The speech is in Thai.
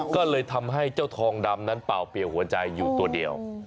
ก็เลยทำให้เจ้าทองดำนั้นเป่าเปียกหัวใจอยู่ตัวเดียว